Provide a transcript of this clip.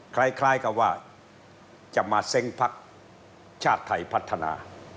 คล้ายกับว่าจะมาเซ้งพักชาติไทยพัฒนา